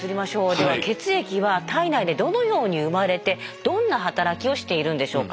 では血液は体内でどのように生まれてどんな働きをしているんでしょうか。